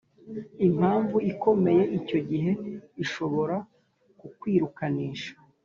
Impamvu ikomeye icyo gihe ishobora kukwirukanisha